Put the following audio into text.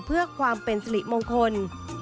เพื่อความเป็นสิริมงคล